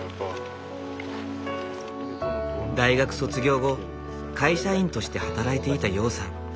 大学卒業後会社員として働いていた陽さん。